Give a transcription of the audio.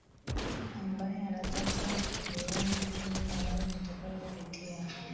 ambaye anataka iundwe tume maalum itakayopitia